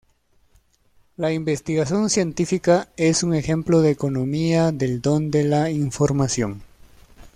La investigación científica es un ejemplo de economía del don de la información.